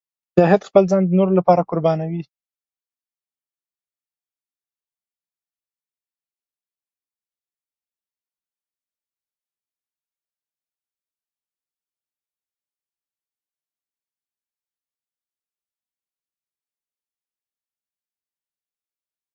آهنګر وویل هغه څټک راکړه بنۍ ته نږدې دی.